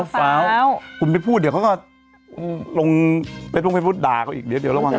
ฟาวคุณไปพูดเดี๋ยวเขาก็ลงไปพูดด่าเขาอีกเดี๋ยวระวังนะ